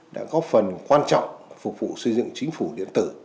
đã góp phần quan trọng phục vụ xây dựng chính phủ điện tử